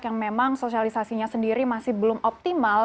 yang memang sosialisasinya sendiri masih belum optimal